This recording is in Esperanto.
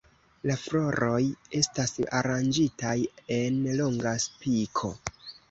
La floroj estas aranĝitaj en longa spiko.